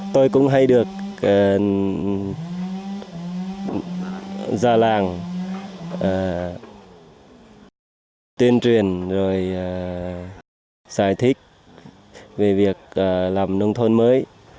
tôi cũng hay được gia làng tuyên truyền rồi giải thích về việc làm nông thôn mới